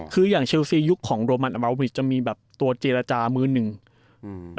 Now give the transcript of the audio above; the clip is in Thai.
คืออย่างเชลซียุคของโรมันอมาวิทจะมีแบบตัวเจรจามือหนึ่งอืม